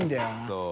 そう。